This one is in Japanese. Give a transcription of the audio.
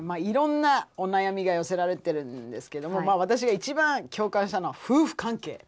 いろんなお悩みが寄せられてるんですけどもまあ私が一番共感したのは夫婦関係。